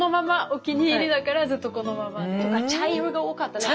お気に入りだからずっとこのまま。とか茶色が多かったり。